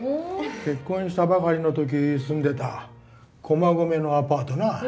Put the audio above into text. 結婚したばかりの時住んでた駒込のアパートな。